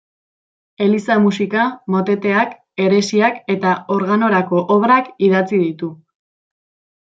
Eliza-musika, moteteak, eresiak eta organorako obrak idatzi ditu.